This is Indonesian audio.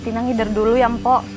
tina ngider dulu ya po